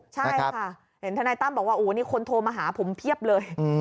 ใช่ค่ะเห็นทนายตั้มบอกว่าโอ้นี่คนโทรมาหาผมเพียบเลย